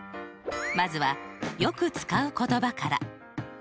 まずはよく使う言葉から。